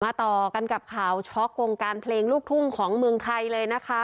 ต่อกันกับข่าวช็อกวงการเพลงลูกทุ่งของเมืองไทยเลยนะคะ